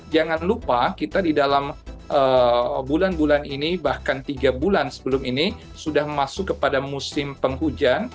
jangan lupa kita di dalam bulan bulan ini bahkan tiga bulan sebelum ini sudah masuk kepada musim penghujan